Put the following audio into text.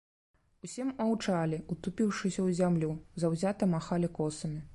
Усе маўчалі, утупіўшыся ў зямлю, заўзята махалі косамі.